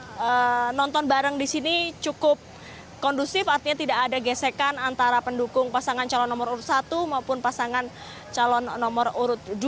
karena nonton bareng di sini cukup kondusif artinya tidak ada gesekan antara pendukung pasangan calon nomor urut satu maupun pasangan calon nomor urut dua